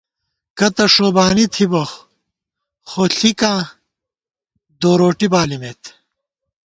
کتہ ݭوبانی تھِبہ خو ݪِکاں دوروٹی بالِمېت